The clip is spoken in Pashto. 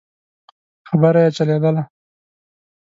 خبره يې چلېدله.